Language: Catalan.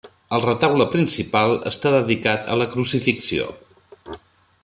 El retaule principal està dedicat a la Crucifixió.